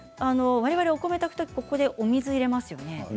われわれはお米を炊くときお水を入れますよね